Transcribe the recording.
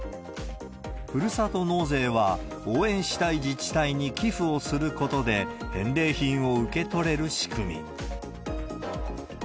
ふるさと納税は、応援したい自治体に寄付をすることで、返礼品を受け取れる仕組み。